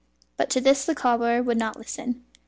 But to this the cobbler would not listen.